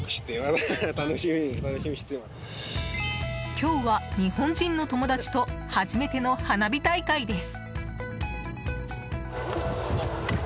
今日は日本人の友達と初めての花火大会です。